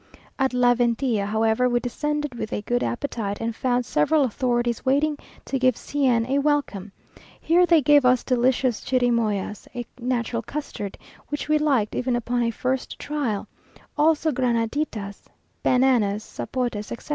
At La Ventilla, however, we descended with a good appetite, and found several authorities waiting to give C n a welcome. Here they gave us delicious chirimoyas, a natural custard, which we liked even upon a first trial, also granaditas, bananas, sapotes, etc.